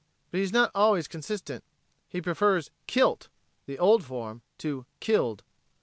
But he is not always consistent. He prefers "kilt," the old form, to "killed."